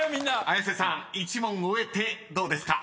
［綾瀬さん１問終えてどうですか？］